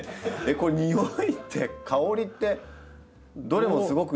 これにおいって香りってどれもすごく良い香りですよお花は。